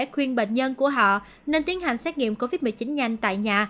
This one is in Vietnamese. khuyên bệnh nhân của họ nên tiến hành xét nghiệm covid một mươi chín nhanh tại nhà